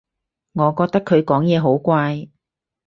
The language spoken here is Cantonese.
我覺得佢講嘢好怪